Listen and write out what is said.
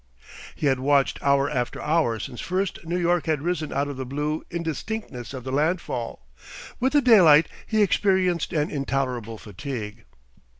He had watched hour after hour since first New York had risen out of the blue indistinctness of the landfall. With the daylight he experienced an intolerable fatigue.